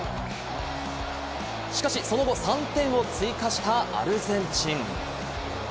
しかし、その後、３点を追加したアルゼンチン。